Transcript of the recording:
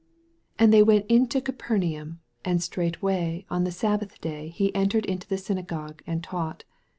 21 And they went into Capernaum; and straightway on the sabbath day he entered into the synagogue, and taught.